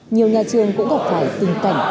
nhiều nhà trường cũng gặp phải tình cảnh